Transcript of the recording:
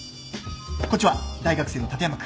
こっちは大学生の立山君。